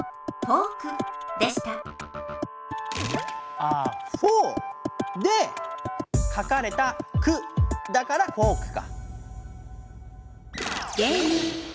あ４で書かれた「く」だから「フォーク」か。